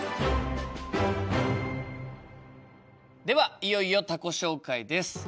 ではいよいよ他己紹介です。